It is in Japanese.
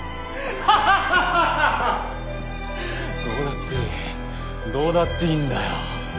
どうだっていいどうだっていいんだよ。